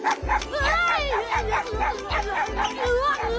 うわ！